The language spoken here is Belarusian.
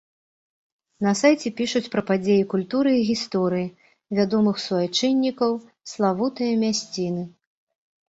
На сайце пішуць пра падзеі культуры і гісторыі, вядомых суайчыннікаў, славутыя мясціны.